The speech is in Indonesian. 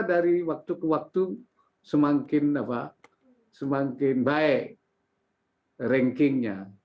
dari waktu ke waktu semakin baik rankingnya